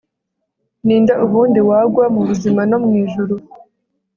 Ninde ubundi wagwa mubuzima no mwijuru